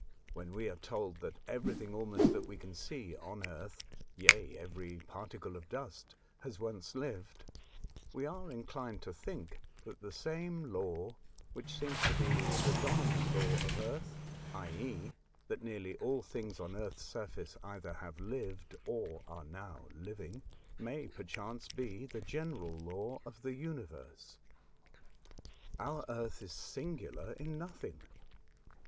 When we are told that everything almost that we can see on Earth — yea, every particle of dust — has once lived, we are inclined to think that the same law which seems to be the dominant law of Earth, i,e., that nearly all things on Earth's surface either have lived or are now living, may perchance be the general law of the universe. Our Earth is singular in nothing.